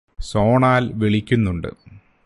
സോണാൽ വിളിക്കുന്നുണ്ട്